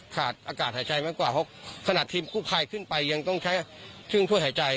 วัสดุพลิเจอร์ต่างมีการค้นหามากกว่า